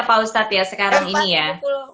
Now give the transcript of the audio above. paustan ya sekarang ini ya